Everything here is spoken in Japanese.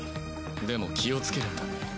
でも気をつけるんだね。